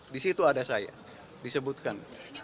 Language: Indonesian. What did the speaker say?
di situ ada saya disebutkan